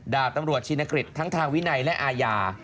ดาบตำรวจชินกฤษทั้งทางวินัยและอาญา